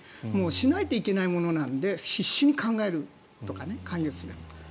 しないといけないものなので必死に考えるとか勧誘する。